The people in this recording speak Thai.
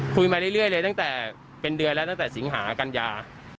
คุยมาเรื่อยเลยตั้งแต่เป็นเดือนแล้วตั้งแต่สิงหากัญญา